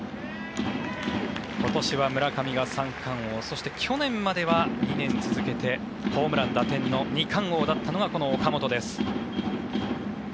今年は村上が三冠王そして、去年までは２年続けてホームラン、打点の二冠王だったのがこの岡本です。